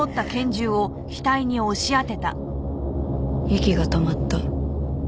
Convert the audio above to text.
息が止まった。